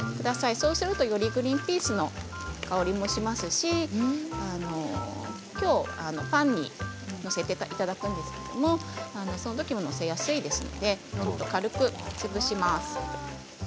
そうするとよりグリンピースの香りもしますし今日、パンに載せていただくんですけどその時も載せやすいですので軽く潰します。